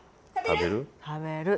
食べる？